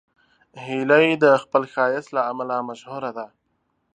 هیلۍ د خپل ښایست له امله مشهوره ده